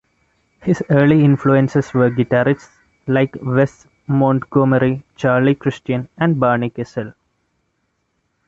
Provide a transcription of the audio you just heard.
His early influences were guitarists like Wes Montgomery, Charlie Christian and Barney Kessel.